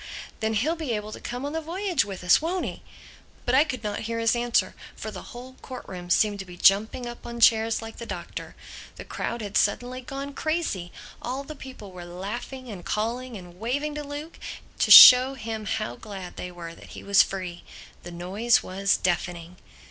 "Then he'll be able to come on the voyage with us, won't he?" But I could not hear his answer; for the whole court room seemed to be jumping up on chairs like the Doctor. The crowd had suddenly gone crazy. All the people were laughing and calling and waving to Luke to show him how glad they were that he was free. The noise was deafening.